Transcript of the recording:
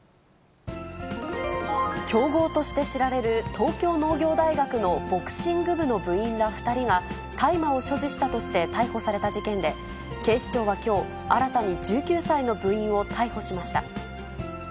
強豪として知られる東京農業大学のボクシング部の部員ら２人が、大麻を所持したとして逮捕された事件で、警視庁はきょう、新たに１９歳の部員を逮捕しました。